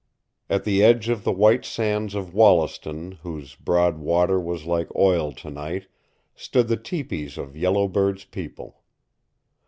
At the edge of the white sands of Wollaston, whose broad water was like oil tonight, stood the tepees of Yellow Bird's people.